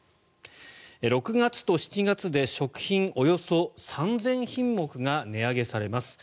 ６月と７月で食品およそ３０００品目が値上げされます。